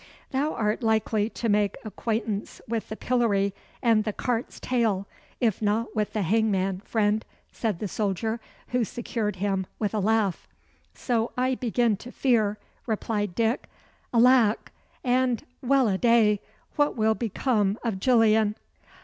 "Thou art likely to make acquaintance with the pillory and the cart's tail, if not with the hangman, friend," said the soldier who secured him, with a laugh. "So I begin to fear," replied Dick. "Alack! and well a day! what will become of Gillian!"